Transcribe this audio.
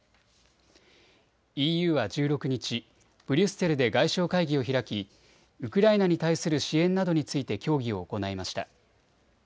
ＥＵは１６日、ブリュッセルで外相会議を開きウクライナに対する支援などについて協議を行いました。